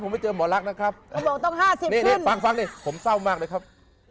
ผมไม่เจอหมอรักนะครับเพราะบอกต้อง๕๐ขึ้นเนี่ยฟังเรียอผมเศร้ามากเลยครับ